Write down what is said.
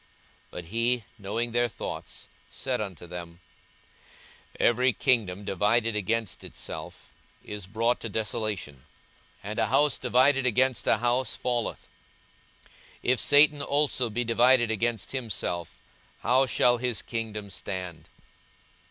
42:011:017 But he, knowing their thoughts, said unto them, Every kingdom divided against itself is brought to desolation; and a house divided against a house falleth. 42:011:018 If Satan also be divided against himself, how shall his kingdom stand?